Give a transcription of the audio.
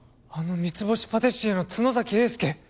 あの三ツ星パティシエの角崎英介！？